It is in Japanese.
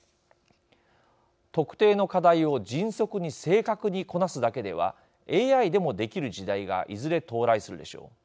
特定の課題を迅速に正確にこなすだけではＡＩでもできる時代がいずれ到来するでしょう。